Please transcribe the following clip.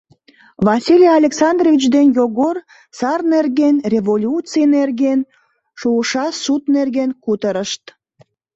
Василий Александрович ден Йогор сар нерген, революций нерген, шуышаш суд нерген кутырышт.